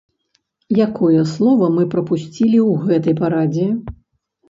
Якое слова мы прапусцілі ў гэтай парадзе?